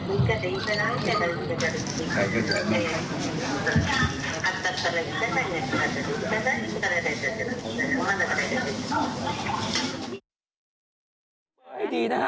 พูดภาษาอะไรกัน